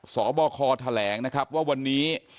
สบคแถลงนะครับว่าวันนี้